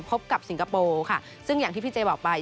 พบกับสิงคโปร์ค่ะซึ่งอย่างที่พี่เจบอกไป